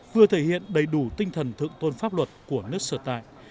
vừa thể hiện đầy đủ tinh thần thượng tôn pháp luật của nước sở tại